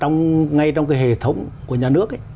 ngay trong cái hệ thống của nhà nước